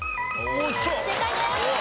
正解です。